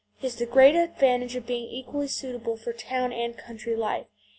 He has the great advantage of being equally suitable for town and country life.